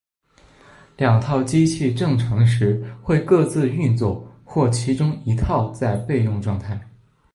两套机器正常时会各自运作或其中一套在备用状态。